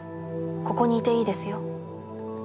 ここにいていいですよ。